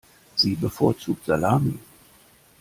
Sie bevorzugt Salami.